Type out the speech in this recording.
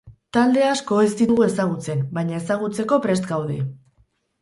Talde asko ez ditugu ezagutzen, baina ezagutzeko prest gaude.